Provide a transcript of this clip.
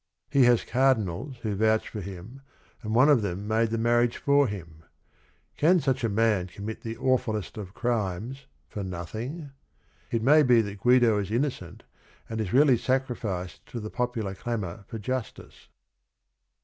He has cardinals who vouch for him and one of them made the marriage for him. Can such a man commit the awfullest of crimes for nothing? It may be that Guido is innocent and is really sacrificed to the popular clamor for justice.